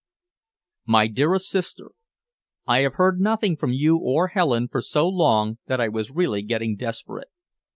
MY DEAREST SISTER, I have heard nothing from you or Helen for so long that I was really getting desperate.